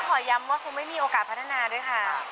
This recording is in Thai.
ขอย้ำว่าคงไม่มีโอกาสพัฒนาด้วยค่ะ